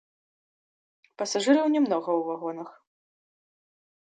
Пасажыраў нямнога ў вагонах.